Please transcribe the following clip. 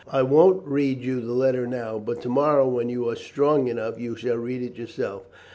I won't read you the letter now, but to morrow when you are strong enough you shall read it yourself.